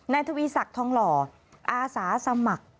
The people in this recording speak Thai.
ทวีศักดิ์ทองหล่ออาสาสมัคร